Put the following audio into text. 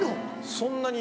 そんなに。